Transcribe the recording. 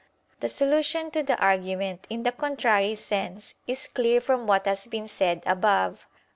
The solution to the argument in the contrary sense is clear from what has been said above (A.